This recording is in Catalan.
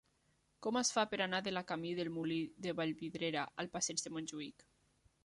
Com es fa per anar de la camí del Molí de Vallvidrera al passeig de Montjuïc?